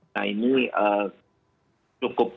nah ini cukup kaget